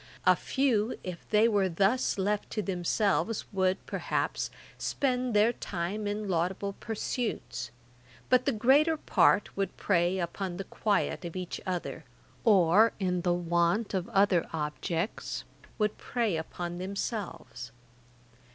A few, if they were thus left to themselves, would, perhaps, spend their time in laudable pursuits; but the greater part would prey upon the quiet of each other, or, in the want of other objects, would prey upon themselves.